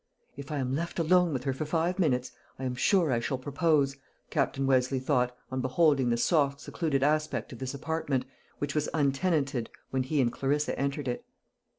"If I am left alone with her for five minutes, I am sure I shall propose," Captain Westleigh thought, on beholding the soft secluded aspect of this apartment, which was untenanted when he and Clarissa entered it.